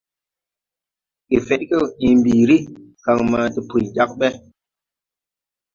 Gefedgew ęę mbiiri, kan maa depuy jāg ɓe.